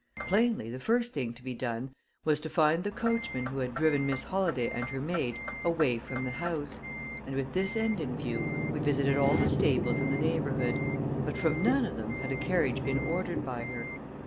Plainly, the first thing to be done was to find the coachman who had driven Miss Holladay and her maid away from the house; and with this end in view, we visited all the stables in the neighborhood; but from none of them had a carriage been ordered by her.